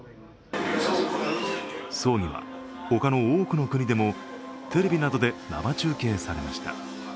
葬儀は、他の多くの国でもテレビなどで生中継されました。